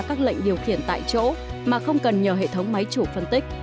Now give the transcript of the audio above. các lệnh điều khiển tại chỗ mà không cần nhờ hệ thống máy chủ phân tích